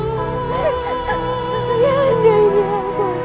ayah anda ini apa